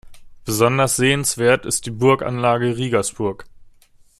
Besonders sehenswert ist die Burganlage Riegersburg.